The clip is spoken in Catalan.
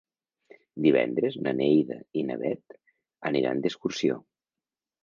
Divendres na Neida i na Bet aniran d'excursió.